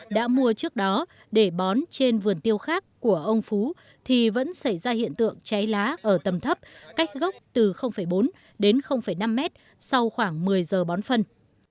đã mua trước đó để bón trên vườn tiêu khác của ông phú thì vẫn xảy ra hiện tượng cháy lá ở tầm thấp cách gốc từ bốn đến năm mét sau khoảng một mươi giờ bón phân